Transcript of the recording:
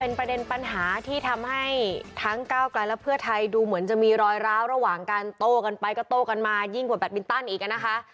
เป็นประเด็นปัญหาที่ทำให้ทั้งก้าวกลายและเพื่อไทยดูเหมือนจะมีรอยร้าวระหว่างการโต้กันไปก็โต้กันมายิ่งกว่าแบตมินตันอีกนะคะ